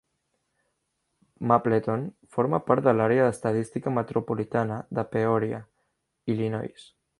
Mapleton forma part de l'Àrea estadística metropolitana de Peoria, Illinois.